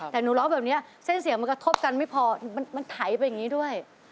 แต่หนูร้องแบบนี้เส้นเสียงมันกระทบกันไม่พอมันไถไปอย่างนี้ด้วย